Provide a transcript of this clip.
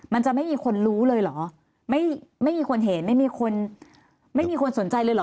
มันจะไม่มีคนรู้เลยเหรอไม่ไม่มีคนเห็นไม่มีคนไม่มีคนสนใจเลยเหรอ